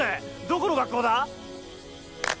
どこの学校だ？